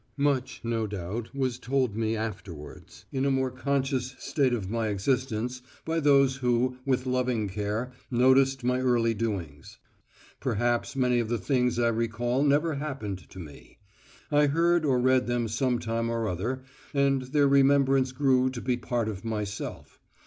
Much, no doubt, was told me afterwards, in a more conscious stage of my existence, by those who, with loving care, noticed my early doings. Perhaps many of the things that I recall never happened to me; I heard or read them some time or other and their remembrance grew to be part of myself.